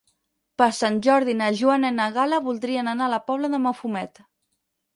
Per Sant Jordi na Joana i na Gal·la voldrien anar a la Pobla de Mafumet.